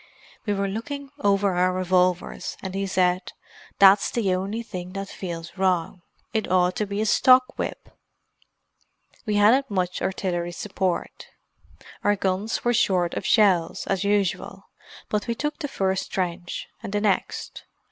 We were looking over our revolvers, and he said, 'That's the only thing that feels wrong; it ought to be a stock whip!' "We hadn't much artillery support. Our guns were short of shells, as usual. But we took the first trench, and the next.